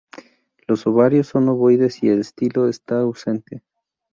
Los ovarios son ovoides y el estilo está ausente.